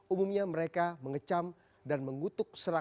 umumnya mereka mengecam dan mengutuk serangan kepada ratna